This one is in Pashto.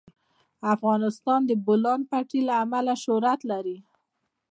افغانستان د د بولان پټي له امله شهرت لري.